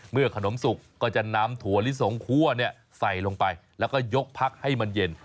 ขนมสุกก็จะนำถั่วลิสงคั่วใส่ลงไปแล้วก็ยกพักให้มันเย็น